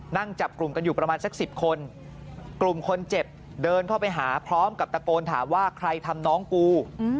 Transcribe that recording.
นั่งจับกลุ่มกันอยู่ประมาณสัก๑๐คนกลุ่มคนเจ็บเดินเข้าไปหาพร้อมกับตะโกนถามว่าใครทำน้องกู